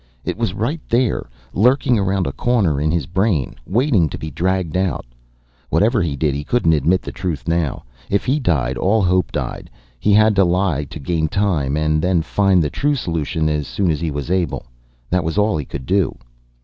It was right there, lurking around a corner in his brain, waiting to be dragged out. Whatever he did, he couldn't admit the truth now. If he died all hope died. He had to lie to gain time, then find the true solution as soon as he was able. That was all he could do.